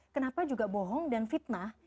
kenapa juga bohong dan fitnah